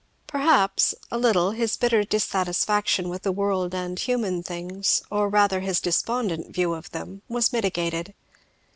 Perhaps, a little, his bitter dissatisfaction with the world and human things, or rather his despondent view of them, was mitigated.